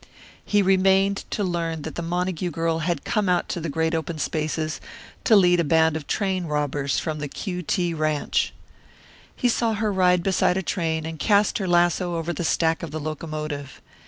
He remained to learn that the Montague girl had come out to the great open spaces to lead a band of train robbers from the "Q.T. ranche." He saw her ride beside a train and cast her lasso over the stack of the locomotive.